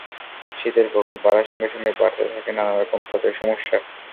শীতের প্রকোপ বাড়ার সঙ্গে সঙ্গে বাড়তে থাকে নানা রকম ত্বকের সমস্যা।